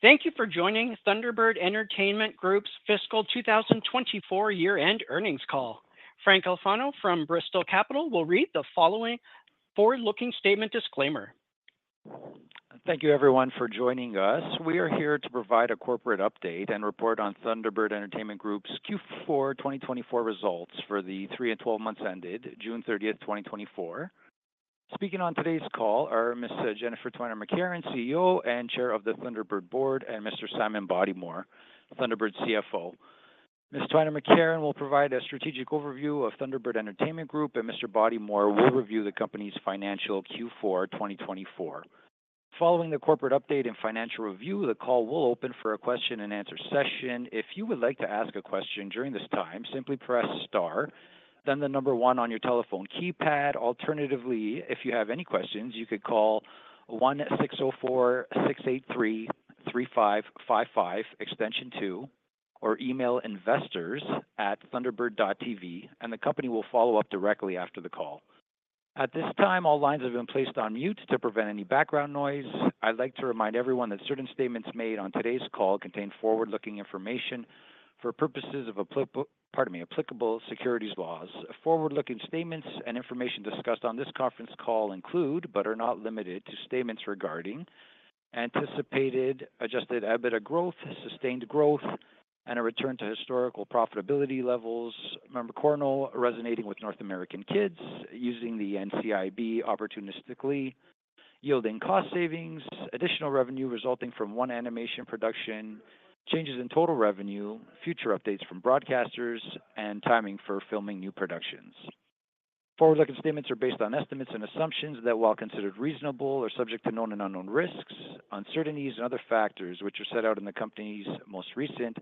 Thank you for joining Thunderbird Entertainment Group's fiscal 2024 year-end earnings call. Frank Alfano from Bristol Capital will read the following forward-looking statement disclaimer. Thank you everyone for joining us. We are here to provide a corporate update and report on Thunderbird Entertainment Group's Q4 2024 results for the three and 12 months ended June 30th, 2024. Speaking on today's call are Ms. Jennifer Twiner-McCarron, CEO and Chair of the Thunderbird Board, and Mr. Simon Bodymore, Thunderbird's CFO. Ms. Twiner McCarron will provide a strategic overview of Thunderbird Entertainment Group, and Mr. Bodymore will review the company's financial Q4 twenty twenty-four. Following the corporate update and financial review, the call will open for a question and answer session. If you would like to ask a question during this time, simply press star, then the number one on your telephone keypad. Alternatively, if you have any questions, you could call 1-604-683-5555, extension 2, or email investors@thunderbird.tv, and the company will follow up directly after the call. At this time, all lines have been placed on mute to prevent any background noise. I'd like to remind everyone that certain statements made on today's call contain forward-looking information for purposes of applicable securities laws. Forward-looking statements and information discussed on this conference call include, but are not limited to, statements regarding anticipated adjusted EBITDA growth, sustained growth, and a return to historical profitability levels. Mermicorno resonating with North American kids, using the NCIB opportunistically, yielding cost savings, additional revenue resulting from one animation production, changes in total revenue, future updates from broadcasters, and timing for filming new productions. Forward-looking statements are based on estimates and assumptions that, while considered reasonable, are subject to known and unknown risks, uncertainties, and other factors, which are set out in the company's most recent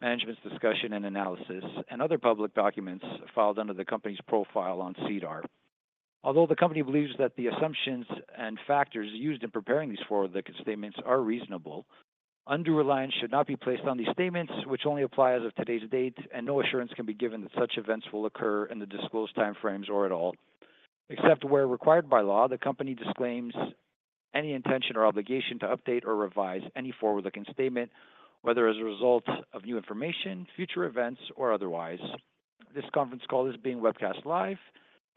management's discussion and analysis and other public documents filed under the company's profile on SEDAR. Although the company believes that the assumptions and factors used in preparing these forward-looking statements are reasonable, undue reliance should not be placed on these statements, which only apply as of today's date, and no assurance can be given that such events will occur in the disclosed time frames or at all. Except where required by law, the company disclaims any intention or obligation to update or revise any forward-looking statement, whether as a result of new information, future events, or otherwise. This conference call is being webcast live,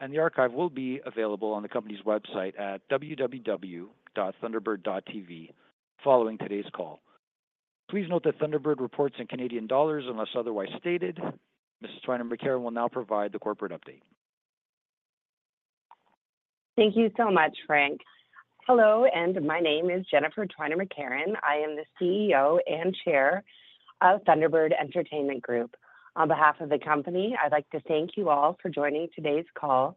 and the archive will be available on the company's website at www.thunderbird.tv following today's call. Please note that Thunderbird reports in Canadian dollars unless otherwise stated. Mrs. Twiner-McCarron will now provide the corporate update. Thank you so much, Frank. Hello, and my name is Jennifer Twiner-McCarron. I am the CEO and Chair of Thunderbird Entertainment Group. On behalf of the company, I'd like to thank you all for joining today's call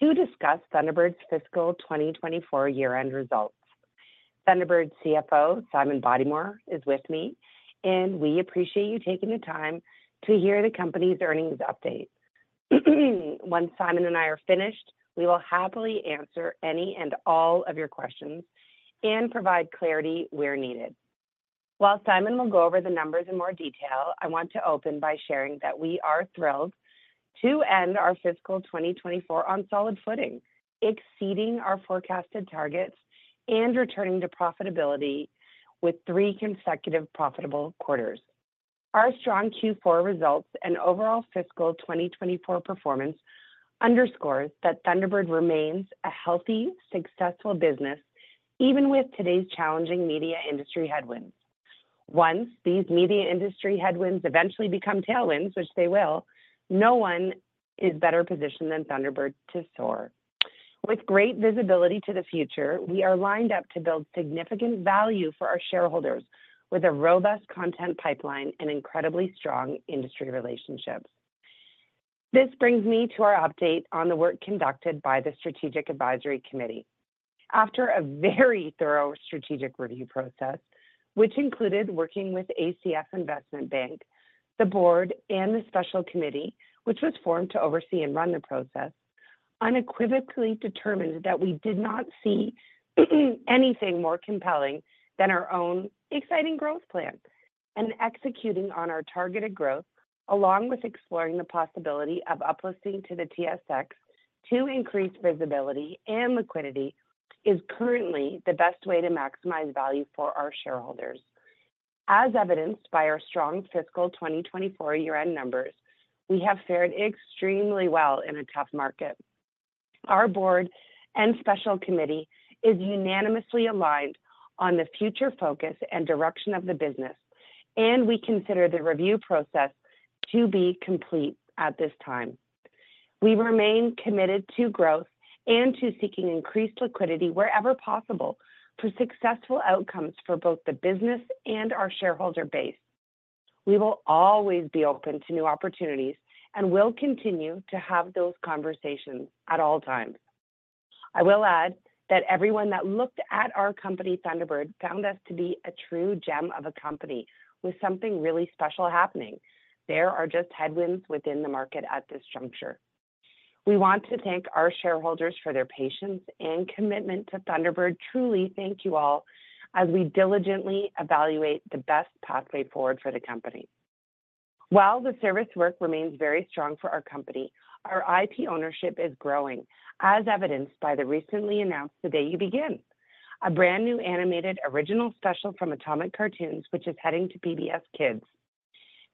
to discuss Thunderbird's fiscal 2024 year-end results. Thunderbird's CFO, Simon Bodymore, is with me, and we appreciate you taking the time to hear the company's earnings update. Once Simon and I are finished, we will happily answer any and all of your questions and provide clarity where needed. While Simon will go over the numbers in more detail, I want to open by sharing that we are thrilled to end our fiscal 2024 on solid footing, exceeding our forecasted targets and returning to profitability with three consecutive profitable quarters. Our strong Q4 results and overall fiscal 2024 performance underscores that Thunderbird remains a healthy, successful business, even with today's challenging media industry headwinds. Once these media industry headwinds eventually become tailwinds, which they will, no one is better positioned than Thunderbird to soar. With great visibility to the future, we are lined up to build significant value for our shareholders, with a robust content pipeline and incredibly strong industry relationships. This brings me to our update on the work conducted by the Strategic Advisory Committee. After a very thorough strategic review process, which included working with ACF Investment Bank, the board and the special committee, which was formed to oversee and run the process, unequivocally determined that we did not see anything more compelling than our own exciting growth plan. Executing on our targeted growth, along with exploring the possibility of uplisting to the TSX to increase visibility and liquidity, is currently the best way to maximize value for our shareholders. As evidenced by our strong fiscal 2024 year-end numbers, we have fared extremely well in a tough market. Our board and special committee is unanimously aligned on the future focus and direction of the business, and we consider the review process to be complete at this time. We remain committed to growth and to seeking increased liquidity wherever possible for successful outcomes for both the business and our shareholder base. We will always be open to new opportunities, and will continue to have those conversations at all times. I will add that everyone that looked at our company, Thunderbird, found us to be a true gem of a company with something really special happening. There are just headwinds within the market at this juncture. We want to thank our shareholders for their patience and commitment to Thunderbird. Truly, thank you all as we diligently evaluate the best pathway forward for the company. While the service work remains very strong for our company, our IP ownership is growing, as evidenced by the recently announced The Day You Begin, a brand-new animated original special from Atomic Cartoons, which is heading to PBS KIDS.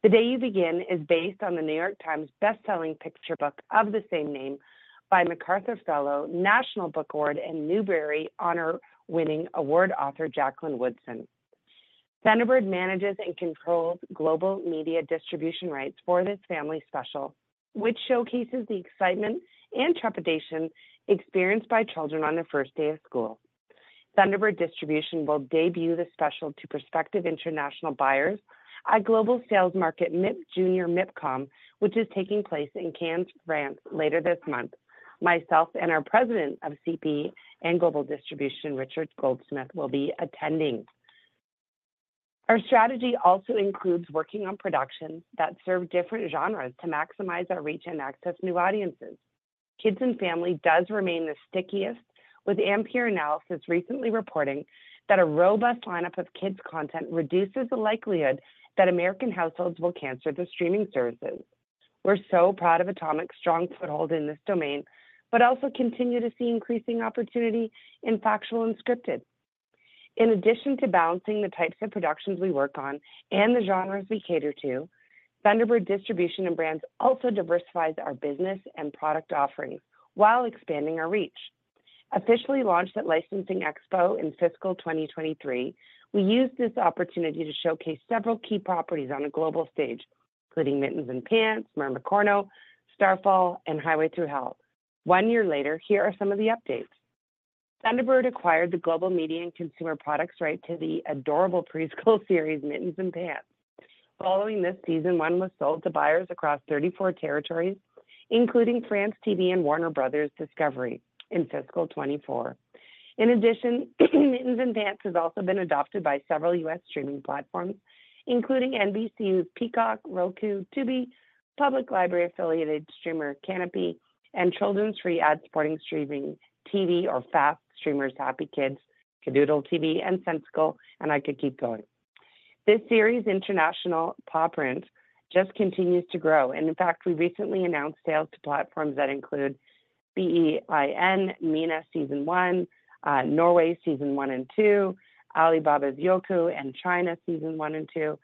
The Day You Begin is based on The New York Times best-selling picture book of the same name by MacArthur Fellow, National Book Award, and Newbery Honor-winning award author Jacqueline Woodson. Thunderbird manages and controls global media distribution rights for this family special, which showcases the excitement and trepidation experienced by children on their first day of school. Thunderbird Distribution will debut the special to prospective international buyers at the global sales market, MIPJunior and MIPCOM, which is taking place in Cannes, France, later this month. Myself and our President of CP and Global Distribution, Richard Goldsmith, will be attending. Our strategy also includes working on productions that serve different genres to maximize our reach and access new audiences. Kids and Family does remain the stickiest, with Ampere Analysis recently reporting that a robust lineup of kids' content reduces the likelihood that American households will cancel the streaming services. We're so proud of Atomic's strong foothold in this domain, but also continue to see increasing opportunity in factual and scripted. In addition to balancing the types of productions we work on and the genres we cater to, Thunderbird Distribution and Brands also diversifies our business and product offerings while expanding our reach. Officially launched at Licensing Expo in fiscal 2023, we used this opportunity to showcase several key properties on a global stage, including Mittens & Pants, Mermicorno: Starfall, and Highway Thru Hell. One year later, here are some of the updates. Thunderbird acquired the global media and consumer products right to the adorable preschool series, Mittens & Pants. Following this, season one was sold to buyers across 34 territories, including France TV and Warner Bros. Discovery in fiscal 2024. In addition, Mittens & Pants has also been adopted by several U.S. streaming platforms, including NBC's Peacock, Roku, Tubi, Public Library Affiliated streamer Kanopy, and children's free ad-supported streaming TV or FAST streamers, HappyKids, Kidoodle.TV, and Sensical, and I could keep going. This series' international pawprints just continues to grow, and in fact, we recently announced sales to platforms that include beIN MENA, season one, Norway, season one and two, Alibaba's Youku, and China, season one and two.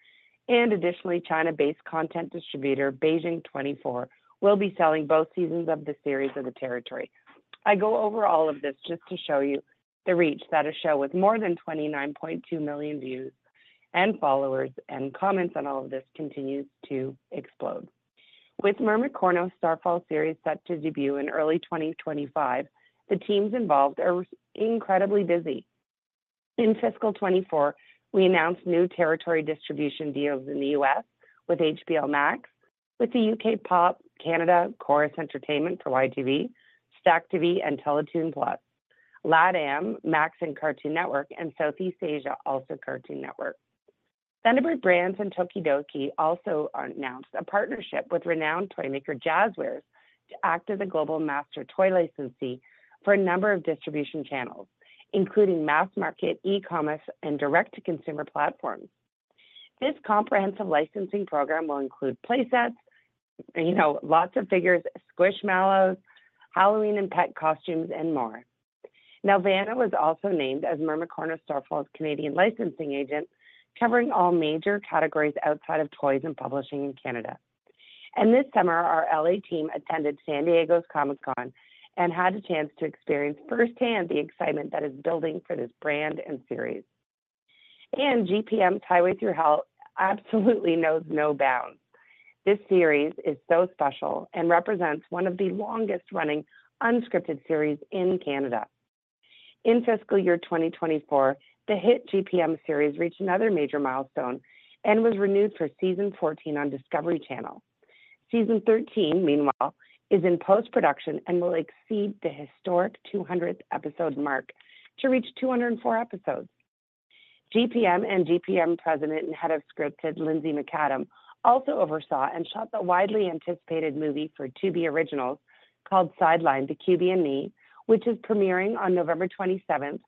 Additionally, China-based content distributor Beijing Twenty Four will be selling both seasons of the series in the territory. I go over all of this just to show you the reach that a show with more than 29.2 million views and followers and comments on all of this continues to explode. With Mermicorno: Starfall series set to debut in early 2025, the teams involved are incredibly busy. In fiscal 2024, we announced new territory distribution deals in the U.S. with HBO Max, with the U.K. POP, Canada, Corus Entertainment for YTV, STACKTV, and Télétoon+, LATAM, Max and Cartoon Network, and Southeast Asia, also Cartoon Network. Thunderbird Brands and Tokidoki also announced a partnership with renowned toymaker Jazwares to act as a global master toy licensee for a number of distribution channels, including mass market, e-commerce, and direct-to-consumer platforms. This comprehensive licensing program will include play sets, you know, lots of figures, squishmallows, Halloween and pet costumes, and more. Nelvana was also named as Mermicorno: Starfall's Canadian licensing agent, covering all major categories outside of toys and publishing in Canada. This summer, our LA team attended San Diego's Comic-Con and had a chance to experience firsthand the excitement that is building for this brand and series. GPM's Highway Thru Hell absolutely knows no bounds. This series is so special and represents one of the longest-running unscripted series in Canada. In fiscal year 2024, the hit GPM series reached another major milestone and was renewed for season 14 on Discovery Channel. Season 13, meanwhile, is in post-production and will exceed the historic 200th episode mark to reach 204 episodes. GPM and GPM President and Head of Scripted, Lindsay Macadam, also oversaw and shot the widely anticipated movie for Tubi Originals called Sidelined: The QB and Me, which is premiering on November 27th,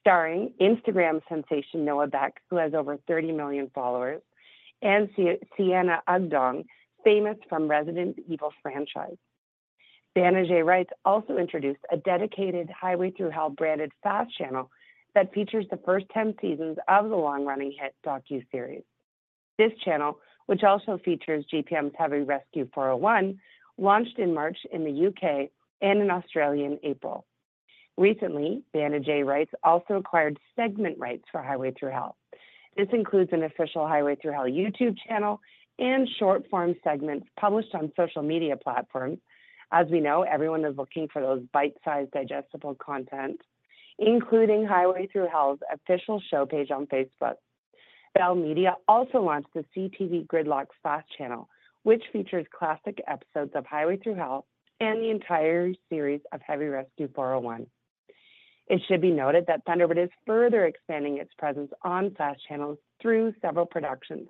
starring Instagram sensation Noah Beck, who has over 30 million followers, and Siena Agudong, famous from Resident Evil franchise. Banijay Rights also introduced a dedicated Highway Thru Hell-branded FAST channel that features the first 10 seasons of the long-running hit docuseries. This channel, which also features GPM's Heavy Rescue: 401, launched in March in the U.K. and in Australia in April. Recently, Banijay Rights also acquired segment rights for Highway Thru Hell. This includes an official Highway Thru Hell YouTube channel and short-form segments published on social media platforms. As we know, everyone is looking for those bite-sized, digestible content, including Highway Thru Hell's official show page on Facebook. Bell Media also launched the CTV Gridlock FAST channel, which features classic episodes of Highway Thru Hell and the entire series of Heavy Rescue: 401. It should be noted that Thunderbird is further expanding its presence on FAST channels through several productions,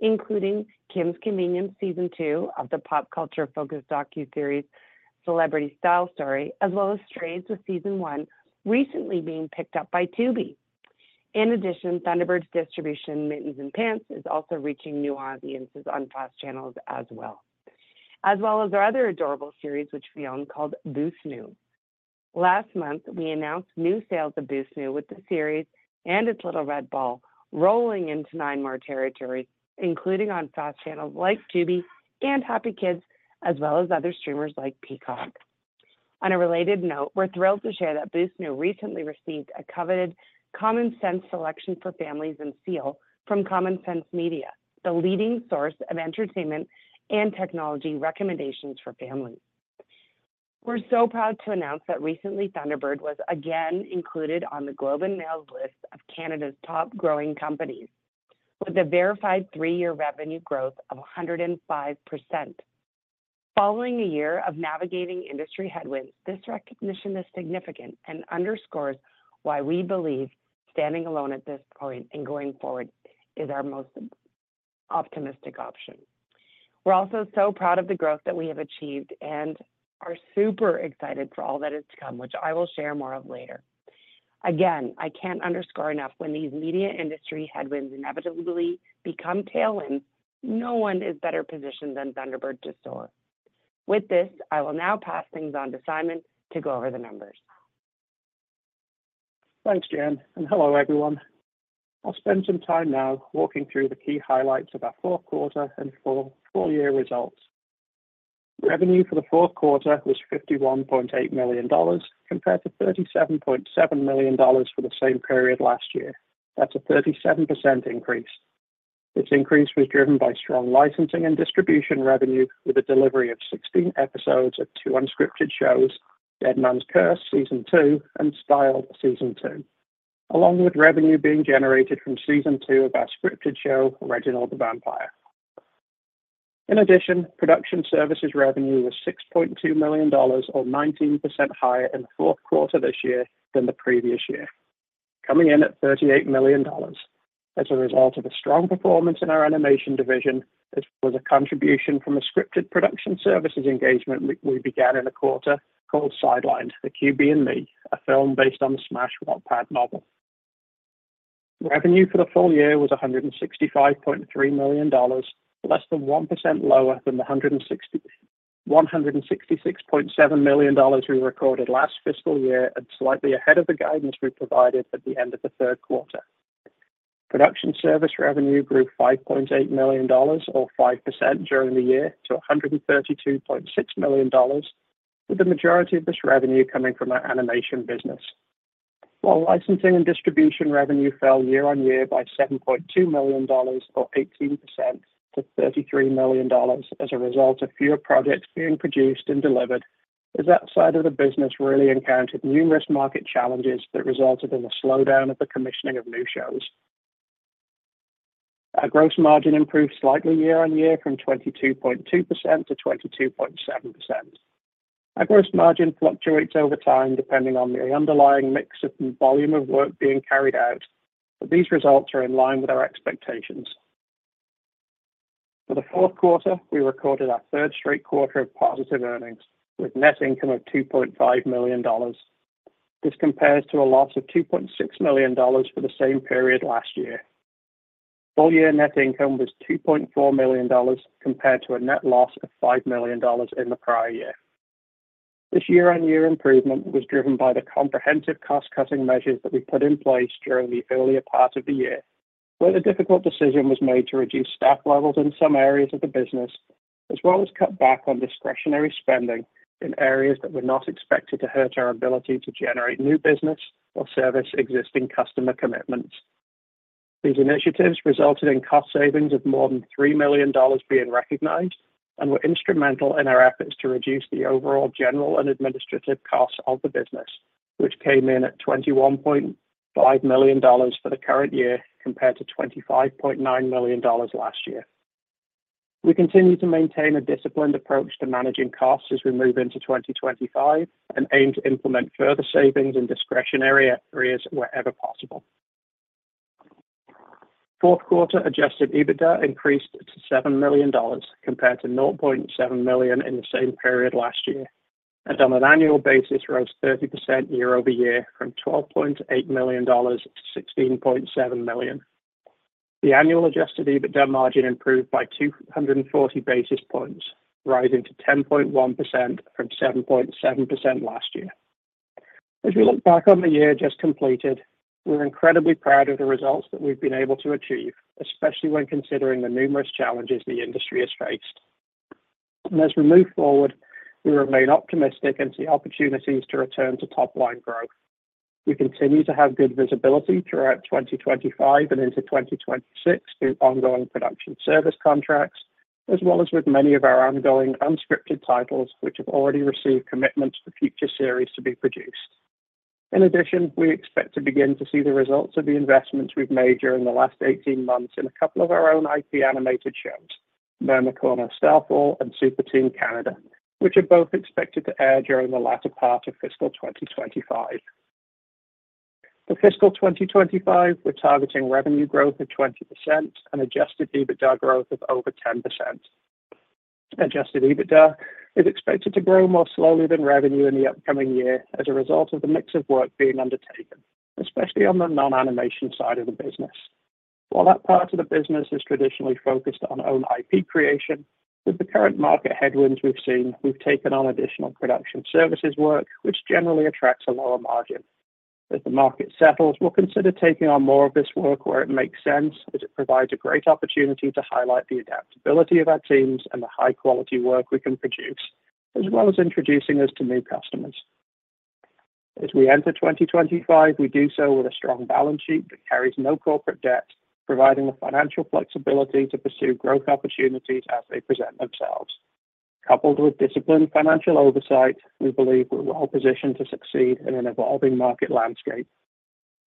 including Kim's Convenience, Season Two of the pop culture-focused docuseries Celebrity Style Story, as well as Strays, with season one recently being picked up by Tubi. In addition, Thunderbird's distribution, Mittens & Pants, is also reaching new audiences on FAST channels as well. As well as our other adorable series, which we own, called BooSnoo. Last month, we announced new sales of BooSnoo, with the series and its little red ball rolling into nine more territories, including on fast channels like Tubi and HappyKids, as well as other streamers like Peacock. On a related note, we're thrilled to share that BooSnoo recently received a coveted Common Sense Selection for Families and seal from Common Sense Media, the leading source of entertainment and technology recommendations for families. We're so proud to announce that recently, Thunderbird was again included on The Globe and Mail's list of Canada's Top Growing Companies, with a verified three-year revenue growth of 105%. Following a year of navigating industry headwinds, this recognition is significant and underscores why we believe standing alone at this point and going forward is our most optimistic option. We're also so proud of the growth that we have achieved and are super excited for all that is to come, which I will share more of later. Again, I can't underscore enough when these media industry headwinds inevitably become tailwinds, no one is better positioned than Thunderbird to soar. With this, I will now pass things on to Simon to go over the numbers. Thanks, Jen, and hello, everyone. I'll spend some time now walking through the key highlights of our fourth quarter and full-year results. Revenue for the fourth quarter was 51.8 million dollars, compared to 37.7 million dollars for the same period last year. That's a 37% increase. This increase was driven by strong licensing and distribution revenue, with the delivery of 16 episodes of two unscripted shows, Dead Man's Curse Season Two and Styled Season Two, along with revenue being generated from season two of our scripted show, Reginald the Vampire. In addition, production services revenue was 6.2 million dollars or 19% higher in the fourth quarter this year than the previous year, coming in at 38 million dollars. As a result of a strong performance in our animation division, this was a contribution from a scripted production services engagement we began in a quarter called Sidelined: The QB and Me, a film based on the smash Wattpad novel. Revenue for the full year was 165.3 million dollars, less than 1% lower than the 166.7 million dollars we recorded last fiscal year, and slightly ahead of the guidance we provided at the end of the third quarter. Production service revenue grew 5.8 million dollars, or 5% during the year, to 132.6 million dollars, with the majority of this revenue coming from our animation business. While licensing and distribution revenue fell year on year by 7.2 million dollars, or 18% to 33 million dollars as a result of fewer projects being produced and delivered, as that side of the business really encountered numerous market challenges that resulted in a slowdown of the commissioning of new shows. Our gross margin improved slightly year on year from 22.2% to 22.7%. Our gross margin fluctuates over time, depending on the underlying mix of volume of work being carried out, but these results are in line with our expectations. For the fourth quarter, we recorded our third straight quarter of positive earnings, with net income of 2.5 million dollars. This compares to a loss of 2.6 million dollars for the same period last year. Full-year net income was 2.4 million dollars, compared to a net loss of 5 million dollars in the prior year. This year-on-year improvement was driven by the comprehensive cost-cutting measures that we put in place during the earlier part of the year, where the difficult decision was made to reduce staff levels in some areas of the business, as well as cut back on discretionary spending in areas that were not expected to hurt our ability to generate new business or service existing customer commitments. These initiatives resulted in cost savings of more than 3 million dollars being recognized and were instrumental in our efforts to reduce the overall general and administrative costs of the business, which came in at 21.5 million dollars for the current year, compared to 25.9 million dollars last year. We continue to maintain a disciplined approach to managing costs as we move into 2025 and aim to implement further savings in discretionary areas wherever possible. Fourth quarter adjusted EBITDA increased to 7 million dollars, compared to 0.7 million in the same period last year, and on an annual basis, rose 30% year over year from 12.8 million dollars to 16.7 million. The annual adjusted EBITDA margin improved by 240 basis points, rising to 10.1% from 7.7% last year. As we look back on the year just completed, we're incredibly proud of the results that we've been able to achieve, especially when considering the numerous challenges the industry has faced. And as we move forward, we remain optimistic and see opportunities to return to top-line growth. We continue to have good visibility throughout 2025 and into 2026 through ongoing production service contracts, as well as with many of our ongoing unscripted titles, which have already received commitments for future series to be produced. In addition, we expect to begin to see the results of the investments we've made during the last eighteen months in a couple of our own IP animated shows, Mermicorno: Starfall, and Super Team Canada, which are both expected to air during the latter part of fiscal 2025. For fiscal 2025, we're targeting revenue growth of 20% and Adjusted EBITDA growth of over 10%. Adjusted EBITDA is expected to grow more slowly than revenue in the upcoming year as a result of the mix of work being undertaken, especially on the non-animation side of the business. While that part of the business is traditionally focused on own IP creation, with the current market headwinds we've seen, we've taken on additional production services work, which generally attracts a lower margin. As the market settles, we'll consider taking on more of this work where it makes sense, as it provides a great opportunity to highlight the adaptability of our teams and the high-quality work we can produce, as well as introducing us to new customers. As we enter 2025, we do so with a strong balance sheet that carries no corporate debt, providing the financial flexibility to pursue growth opportunities as they present themselves. Coupled with disciplined financial oversight, we believe we're well-positioned to succeed in an evolving market landscape.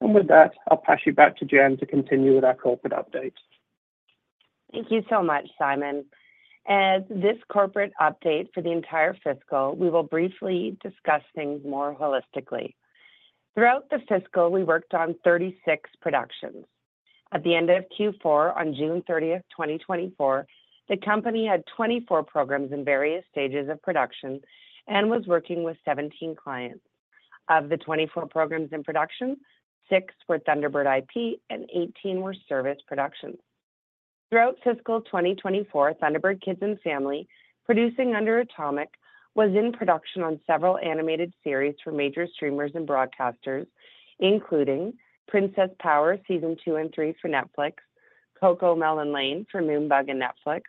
And with that, I'll pass it back to Jen to continue with our corporate update. Thank you so much, Simon. As this corporate update for the entire fiscal, we will briefly discuss things more holistically. Throughout the fiscal, we worked on 36 productions. At the end of Q4, on June 30th, 2024, the company had 24 programs in various stages of production and was working with 17 clients. Of the 24 programs in production, 6 were Thunderbird IP, and 18 were service productions. Throughout fiscal 2024, Thunderbird Kids and Family, producing under Atomic, was in production on several animated series for major streamers and broadcasters, including Princess Power, season two and three for Netflix, CoComelon Lane for Moonbug and Netflix,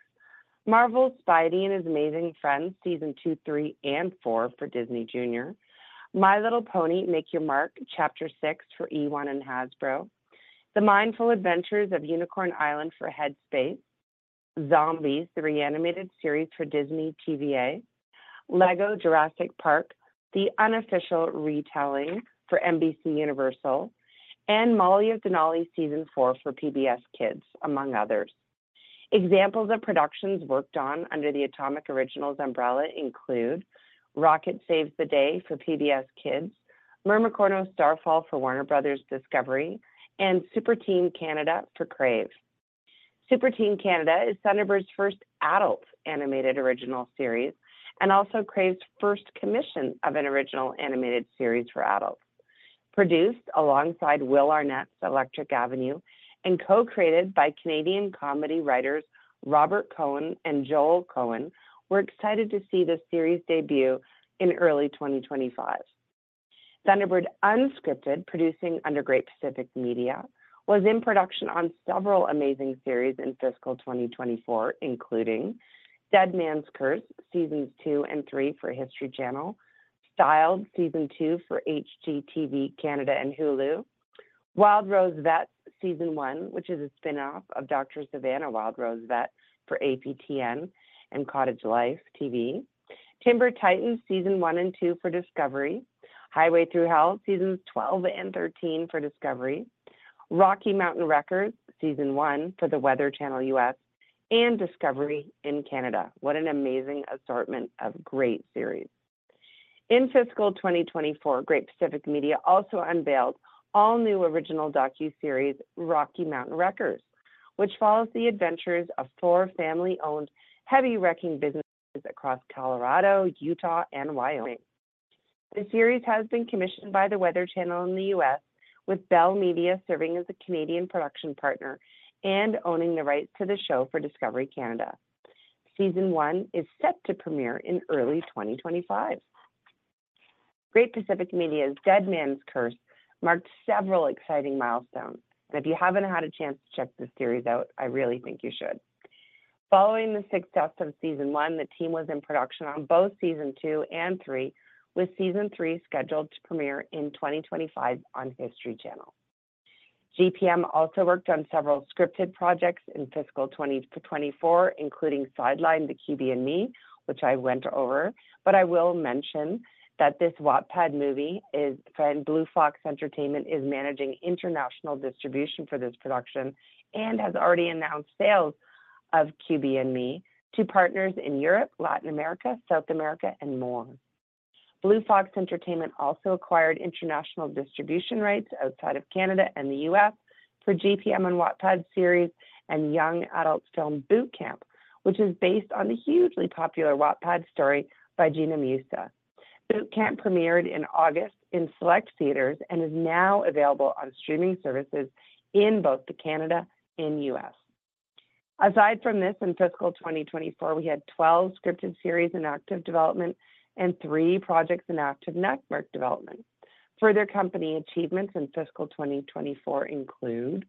Marvel's Spidey and His Amazing Friends, season two, three, and four for Disney Junior, My Little Pony: Make Your Mark, chapter six for eOne and Hasbro, The Mindful Adventures of Unicorn Island for Headspace, Zombies: The Re-Animated Series for Disney TVA, LEGO Jurassic Park: The Unofficial Retelling for NBCUniversal, and Molly of Denali, season four for PBS KIDS, among others. Examples of productions worked on under the Atomic Originals umbrella include Rocket Saves the Day for PBS KIDS, Mermicorno: Starfall for Warner Bros. Discovery, and Super Team Canada for Crave. Super Team Canada is Thunderbird's first adult animated original series and also Crave's first commission of an original animated series for adults. Produced alongside Will Arnett's Electric Avenue and co-created by Canadian comedy writers Robert Cohen and Joel Cohen, we're excited to see this series debut in early 2025. Thunderbird Unscripted, producing under Great Pacific Media, was in production on several amazing series in fiscal 2024, including Dead Man's Curse, Seasons two and three for History Channel, Styled, Season two for HGTV Canada and Hulu, Wild Rose Vets, Season one, which is a spin-off of Dr. Savannah: Wild Rose Vets for APTN and Cottage Life, Timber Titans, Season one and two for Discovery, Highway Thru Hell, Seasons 12 and 13 for Discovery, Rocky Mountain Wreckers, Season one for The Weather Channel U.S., and Discovery in Canada. What an amazing assortment of great series. In fiscal 2024, Great Pacific Media also unveiled all-new original docuseries, Rocky Mountain Wreckers, which follows the adventures of four family-owned heavy wrecking businesses across Colorado, Utah, and Wyoming. The series has been commissioned by The Weather Channel in the U.S., with Bell Media serving as a Canadian production partner and owning the rights to the show for Discovery Canada. Season one is set to premiere in early 2025. Great Pacific Media's Dead Man's Curse marked several exciting milestones, and if you haven't had a chance to check this series out, I really think you should. Following the success of season one, the team was in production on both season two and three, with season three scheduled to premiere in 2025 on History Channel. GPM also worked on several scripted projects in fiscal 2020 to 2024, including Sidelined: The QB and Me, which I went over. But I will mention that this Wattpad movie is, and Blue Fox Entertainment is managing international distribution for this production and has already announced sales of QB and Me to partners in Europe, Latin America, South America, and more. Blue Fox Entertainment also acquired international distribution rights outside of Canada and the US for GPM and Wattpad series and young adult film Boot Camp, which is based on the hugely popular Wattpad story by Gina Musa. Boot Camp premiered in August in select theaters and is now available on streaming services in both Canada and the U.S. Aside from this, in fiscal 2024, we had twelve scripted series in active development and three projects in active network development. Further company achievements in fiscal 2024 include: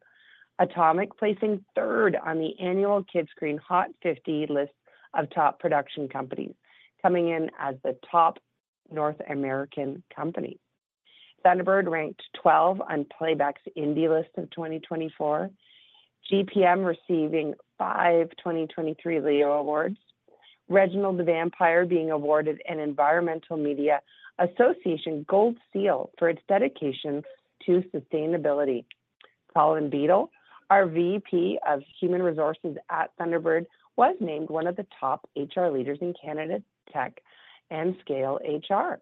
Atomic placing third on the annual Kidscreen Hot 50 list of top production companies, coming in as the top North American company. Thunderbird ranked 12 on Playback's Indie List of 2024. GPM receiving five 2023 Leo Awards. Reginald the Vampire being awarded an Environmental Media Association Gold Seal for its dedication to sustainability. Colin Beadle, our VP of Human Resources at Thunderbird, was named one of the top HR leaders in Canada, Tech, and ScaleHR,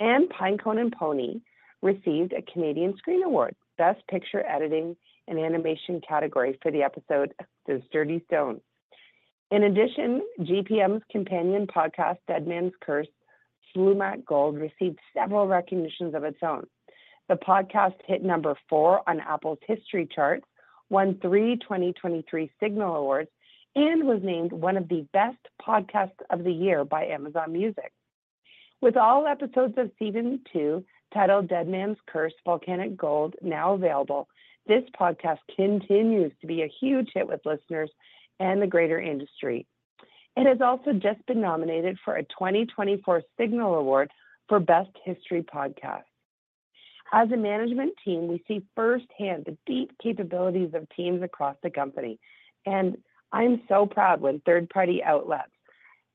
and Pinecone and Pony received a Canadian Screen Award, Best Picture Editing and Animation category for the episode, The Sturdy Stone. In addition, GPM's companion podcast, Dead Man's Curse: Slumach's Gold, received several recognitions of its own. The podcast hit number 4 on Apple's history chart, won three 2023 Signal Awards, and was named one of the best podcasts of the year by Amazon Music. With all episodes of season two, titled Dead Man's Curse: Volcanic Gold, now available, this podcast continues to be a huge hit with listeners and the greater industry. It has also just been nominated for a 2024 Signal Award for Best History Podcast. As a management team, we see firsthand the deep capabilities of teams across the company, and I'm so proud when third-party outlets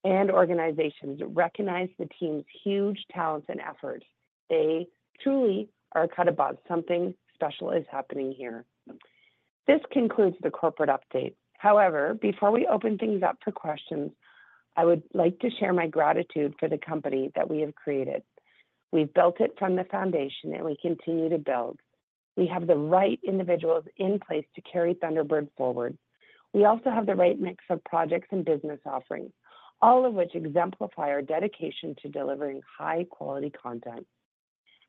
and organizations recognize the team's huge talents and efforts. They truly are cut above. Something special is happening here. This concludes the corporate update. However, before we open things up for questions, I would like to share my gratitude for the company that we have created. We've built it from the foundation, and we continue to build. We have the right individuals in place to carry Thunderbird forward. We also have the right mix of projects and business offerings, all of which exemplify our dedication to delivering high-quality content.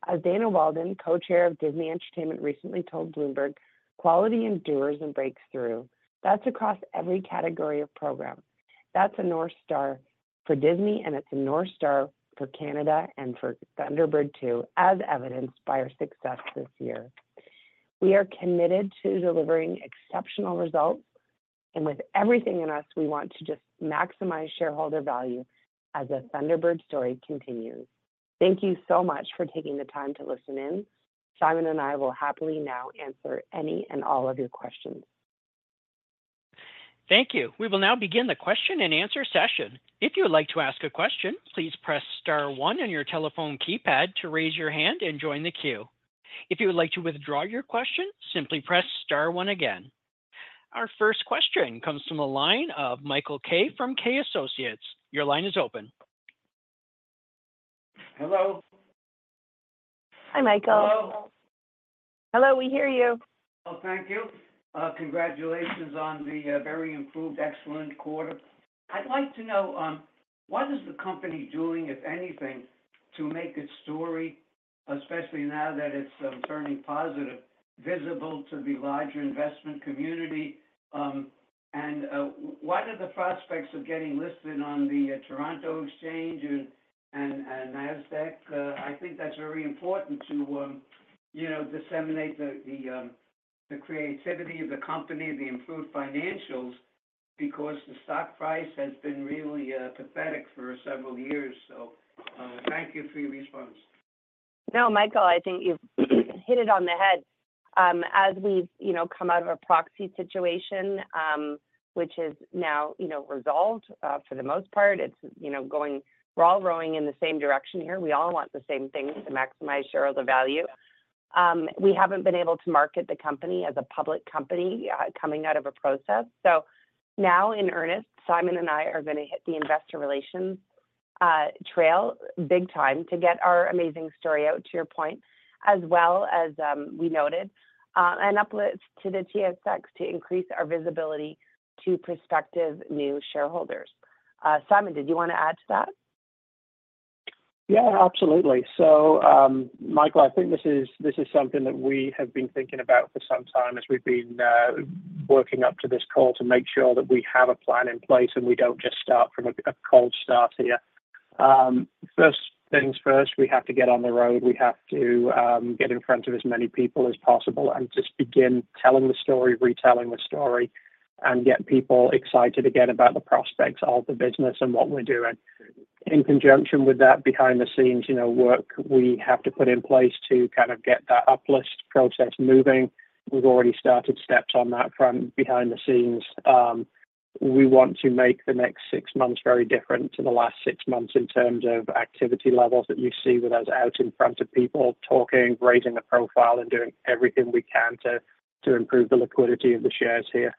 As Dana Walden, co-chair of Disney Entertainment, recently told Bloomberg, "Quality endures and breaks through. That's across every category of program." That's a North Star for Disney, and it's a North Star for Canada and for Thunderbird, too, as evidenced by our success this year. We are committed to delivering exceptional results, and with everything in us, we want to just maximize shareholder value as the Thunderbird story continues. Thank you so much for taking the time to listen in. Simon and I will happily now answer any and all of your questions. Thank you. We will now begin the question and answer session. If you would like to ask a question, please press star one on your telephone keypad to raise your hand and join the queue. If you would like to withdraw your question, simply press star one again. Our first question comes from the line of Michael Kay from Kay Associates. Your line is open. Hello. Hi, Michael. Hello. Hello, we hear you. Oh, thank you. Congratulations on the very improved, excellent quarter. I'd like to know what is the company doing, if anything, to make its story, especially now that it's turning positive, visible to the larger investment community, and what are the prospects of getting listed on the Toronto Stock Exchange and NASDAQ. I think that's very important to, you know, disseminate the creativity of the company, the improved financials, because the stock price has been really pathetic for several years, so thank you for your response. No, Michael, I think you've hit it on the head. As we've, you know, come out of a proxy situation, which is now, you know, resolved, for the most part, it's, you know, going, we're all rowing in the same direction here. We all want the same thing, to maximize shareholder value. We haven't been able to market the company as a public company, coming out of a process. So now, in earnest, Simon and I are gonna hit the investor relations trail big time to get our amazing story out, to your point, as well as, we noted, and uplifts to the TSX to increase our visibility to prospective new shareholders. Simon, did you want to add to that? Yeah, absolutely. So, Michael, I think this is something that we have been thinking about for some time as we've been working up to this call to make sure that we have a plan in place and we don't just start from a cold start here. First things first, we have to get on the road. We have to get in front of as many people as possible and just begin telling the story, retelling the story, and get people excited again about the prospects of the business and what we're doing. In conjunction with that, behind the scenes, you know, work we have to put in place to kind of get that uplist process moving. We've already started steps on that front behind the scenes. We want to make the next six months very different to the last six months in terms of activity levels that you see with us out in front of people, talking, raising the profile, and doing everything we can to improve the liquidity of the shares here.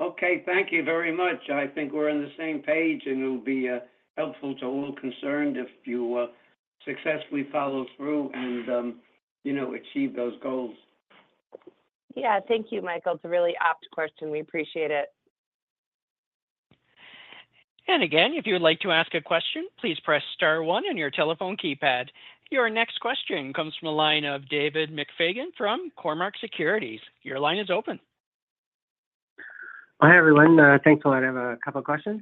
Okay, thank you very much. I think we're on the same page, and it'll be helpful to all concerned if you successfully follow through and, you know, achieve those goals. Yeah. Thank you, Michael. It's a really apt question. We appreciate it. Again, if you would like to ask a question, please press star one on your telephone keypad. Your next question comes from the line of David McFadgen from Cormark Securities. Your line is open. Hi, everyone. Thanks a lot. I have a couple of questions.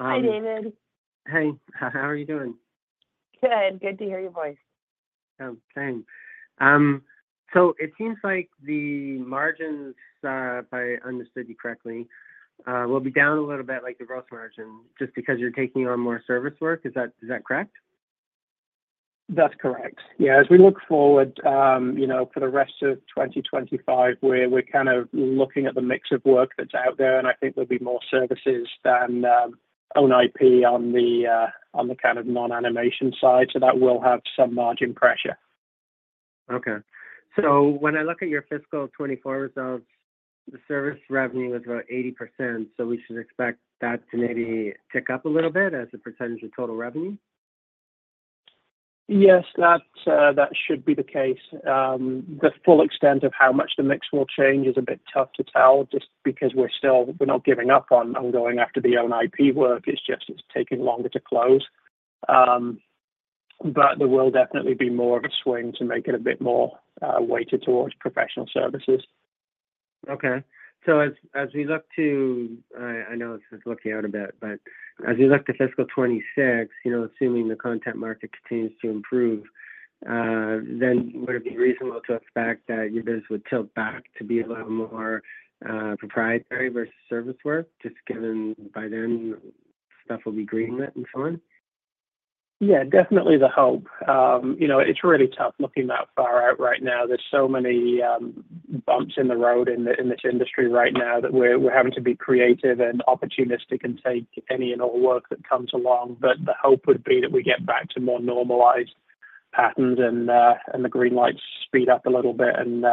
Hi, David. Hey, how are you doing? Good. Good to hear your voice. Same. So it seems like the margins, if I understood you correctly, will be down a little bit, like the gross margin, just because you're taking on more service work. Is that correct? That's correct. Yeah, as we look forward, you know, for the rest of 2025, where we're kind of looking at the mix of work that's out there, and I think there'll be more services than own IP on the on the kind of non-animation side, so that will have some margin pressure. Okay, so when I look at your fiscal 2024 results, the service revenue was about 80%, so we should expect that to maybe tick up a little bit as a percentage of total revenue? Yes, that, that should be the case. The full extent of how much the mix will change is a bit tough to tell, just because we're still not giving up on going after the own IP work, it's just taking longer to close. But there will definitely be more of a swing to make it a bit more weighted towards professional services. Okay. So as we look to, I know this is looking out a bit, but as we look to fiscal 2026, you know, assuming the content market continues to improve, then would it be reasonable to expect that your business would tilt back to be a little more, proprietary versus service work, just given by then stuff will be greenlit and so on? Yeah, definitely the hope. You know, it's really tough looking that far out right now. There's so many bumps in the road in this industry right now that we're having to be creative and opportunistic and take any and all work that comes along. But the hope would be that we get back to more normalized patterns and the green lights speed up a little bit, and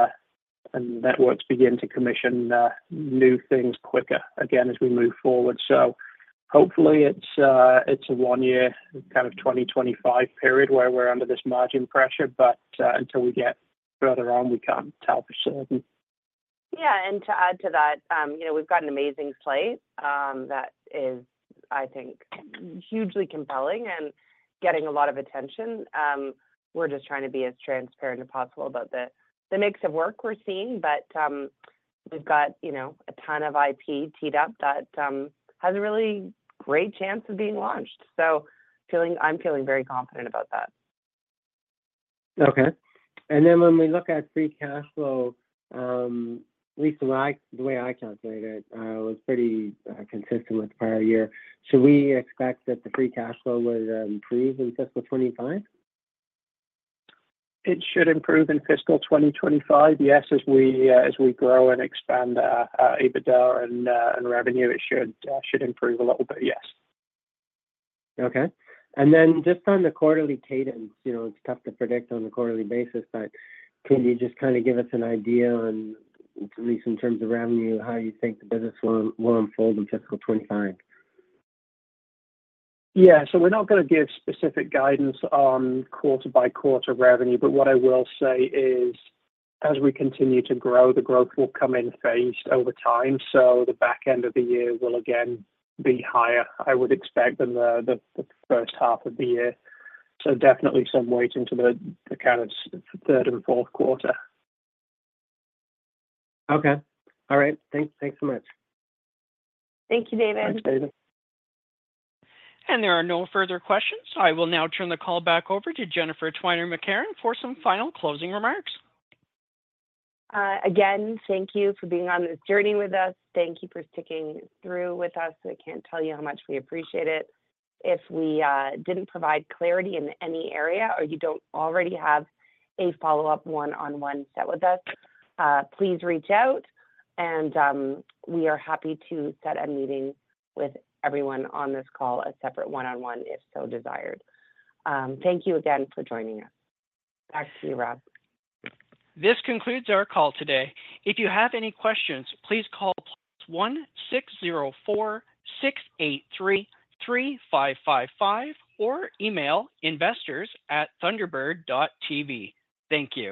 networks begin to commission new things quicker again as we move forward. So hopefully it's a one-year, kind of 2025 period where we're under this margin pressure, but until we get further on, we can't tell for certain. Yeah, and to add to that, you know, we've got an amazing slate that is, I think, hugely compelling and getting a lot of attention. We're just trying to be as transparent as possible about the mix of work we're seeing, but we've got, you know, a ton of IP teed up that has a really great chance of being launched. So I'm feeling very confident about that. Okay. And then when we look at free cash flow, at least the way I calculated it, was pretty consistent with the prior year. Should we expect that the free cash flow would improve in fiscal 2025? It should improve in fiscal 2025, yes. As we grow and expand EBITDA and revenue, it should improve a little bit, yes. Okay, and then just on the quarterly cadence, you know, it's tough to predict on a quarterly basis, but can you just kinda give us an idea on, at least in terms of revenue, how you think the business will unfold in fiscal 2025? Yeah. So we're not gonna give specific guidance on quarter by quarter revenue, but what I will say is, as we continue to grow, the growth will come in phased over time. So the back end of the year will again be higher, I would expect, than the first half of the year. So definitely some weight into the kind of third and fourth quarter. Okay. All right, thanks. Thanks so much. Thank you, David. Thanks, David. There are no further questions. I will now turn the call back over to Jennifer Twiner-McCarron for some final closing remarks. Again, thank you for being on this journey with us. Thank you for sticking through with us. I can't tell you how much we appreciate it. If we didn't provide clarity in any area, or you don't already have a follow-up one-on-one set with us, please reach out and we are happy to set a meeting with everyone on this call, a separate one-on-one, if so desired. Thank you again for joining us. Back to you, Rob. This concludes our call today. If you have any questions, please call +1-604-683-5555 or email investors@thunderbird.tv. Thank you.